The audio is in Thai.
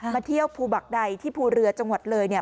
มาเที่ยวภูบักใดที่ภูเรือจังหวัดเลยเนี่ย